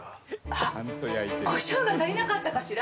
「あっこしょうが足りなかったかしら？」